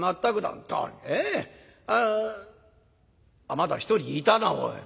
あまだ１人いたなおい。